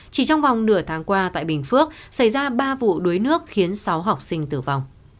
chỉ trong vòng nửa tháng qua tại bình phước xảy ra ba vụ đuối nước khiến sáu học sinh tử vong